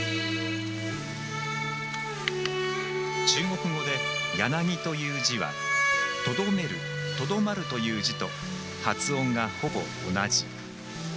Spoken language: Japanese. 中国語で「柳」という字は「留める」「留まる」という字と発音がほぼ同じ。